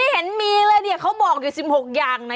เห็นมีเลยเนี่ยเขาบอกอยู่๑๖อย่างนะ